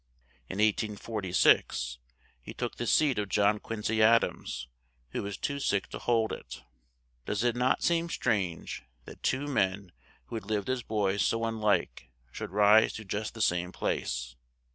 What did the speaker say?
In 1846 he took the seat of John Quin cy Ad ams, who was too sick to hold it; does it not seem strange that two men who had lived as boys so un like should rise to just the same place?